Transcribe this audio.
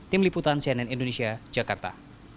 tim liputan cnn indonesia jakarta